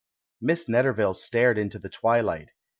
Miss Netterville stared into the twilight.